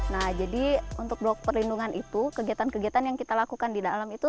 nah jadi untuk blok perlindungan itu kegiatan kegiatan yang kita lakukan di dalam itu